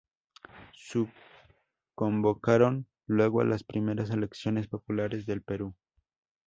Se convocaron luego a las primeras elecciones populares del Perú.